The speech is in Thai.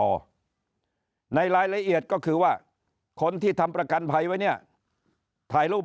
ในรายละเอียดก็คือว่าคนที่ทำประกันภัยไว้เนี่ยถ่ายรูป